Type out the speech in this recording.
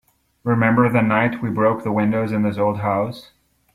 Remember the night we broke the windows in this old house?